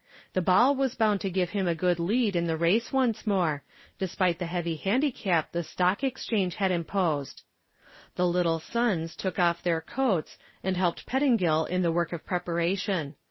The ball was bound to give him a good lead in the race once more, despite the heavy handicap the Stock Exchange had imposed. The "Little Sons" took off their coats and helped Pettingill in the work of preparation.